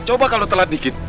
coba kalau telat dikit